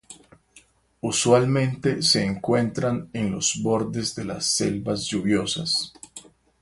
Usualmente se encuentran en los bordes de las selvas lluviosas.